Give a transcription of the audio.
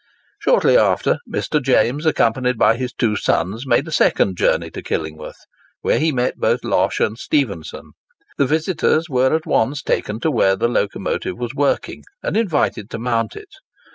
Shortly after, Mr. James, accompanied by his two sons, made a second journey to Killingworth, where he met both Losh and Stephenson. The visitors were at once taken to where the locomotive was working, and invited to mount it.